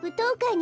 に